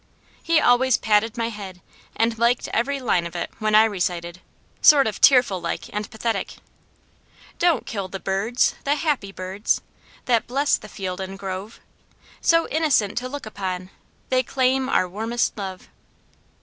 He always patted my head and liked every line of it when I recited, sort of tearful like and pathetic: "Don't kill the birds! the happy birds, That bless the field and grove; So innocent to look upon, They claim our warmest love."